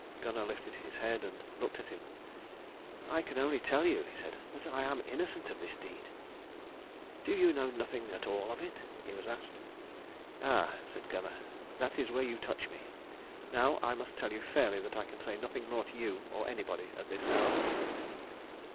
Gunnar lifted his head and looked at him. "I can only tell you," he said, "that I am innocent of this deed." "Do you know nothing at all of it?" he was asked. "Ah," said Gunnar, "that is where you touch me. Now I must tell you fairly that I can say nothing more to you or anybody at this hour."